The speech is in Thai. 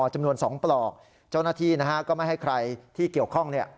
จำนวน๒ปลอกเจ้าหน้าที่นะฮะก็ไม่ให้ใครที่เกี่ยวข้องเนี่ย